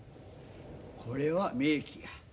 これは明器や。